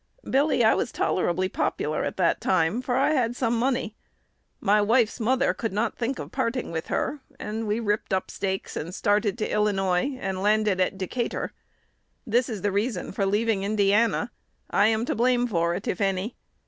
Billy, I was tolerably popular at that time, for I had some money. My wife's mother could not think of parting with her, and we ripped up stakes, and started to Illinois, and landed at Decatur. This is the reason for leaving Indiana. I am to blame for it, if any.